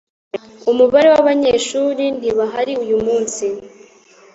Umubare wabanyeshuri ntibahari uyumunsi.